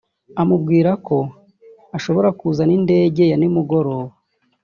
amubwira ko ashobora kuza n’indege ya nimugoroba